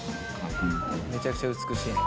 めちゃくちゃ美しいね。